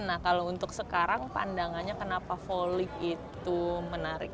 nah kalau untuk sekarang pandangannya kenapa volley itu menarik